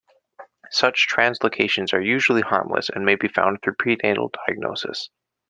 Such translocations are usually harmless and may be found through prenatal diagnosis.